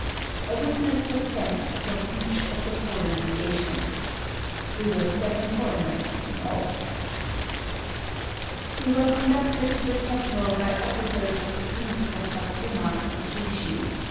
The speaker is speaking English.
A witness was sent from each of the foreign legations. We were seven foreigners in all. We were conducted to the temple by officers of the Princes of Satsuma and Choshiu.